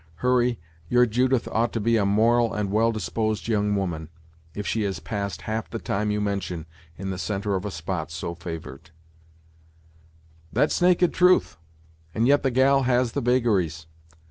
Hurry, your Judith ought to be a moral and well disposed young woman, if she has passed half the time you mention in the centre of a spot so favored." "That's naked truth; and yet the gal has the vagaries.